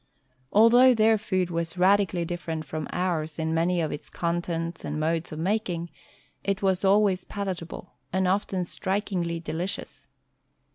Although their food was radically different from ours in many of its contents and modes of making, it was always palatable, and often strikingly delicious.